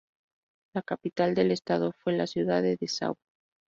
La capital del estado fue la ciudad de Dessau.